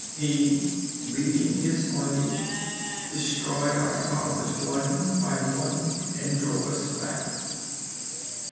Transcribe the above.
He, leading his army, destroyed our towers one by one, and drove us back....